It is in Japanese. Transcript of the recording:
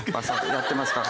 やってますから。